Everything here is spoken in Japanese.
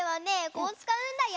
こうつかうんだよ。